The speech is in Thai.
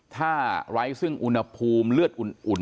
ถ้าไร้ซึ่งอุณหภูมิเลือดอุ่น